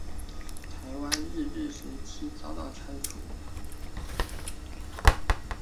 台湾日治时期遭到拆除。